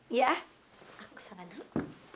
iya aku sama nek